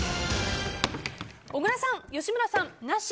小倉さん、吉村さん、なし。